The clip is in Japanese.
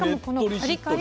カリッカリ。